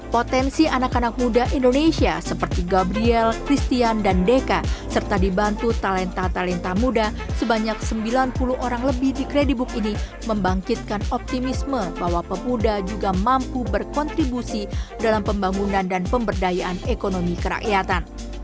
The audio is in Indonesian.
potensi anak anak muda indonesia seperti gabriel christian dan deka serta dibantu talenta talenta muda sebanyak sembilan puluh orang lebih di kredibook ini membangkitkan optimisme bahwa pemuda juga mampu berkontribusi dalam pembangunan dan pemberdayaan ekonomi kerakyatan